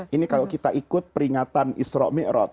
ini kalau kita ikut peringatan isra' mi'raj